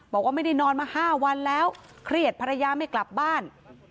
บอกว่าไม่ได้นอนมา๕วันแล้วเครียดภรรยาไม่กลับบ้าน